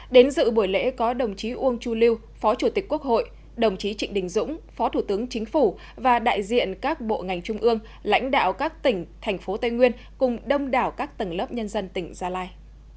đến dự buổi lễ có đồng chí uông chu lưu phó chủ tịch quốc hội đồng chí trịnh đình dũng phó thủ tướng chính phủ và đại diện các bộ ngành trung ương lãnh đạo các tỉnh thành phố tây nguyên cùng đông đảo các tầng lớp nhân dân tỉnh gia lai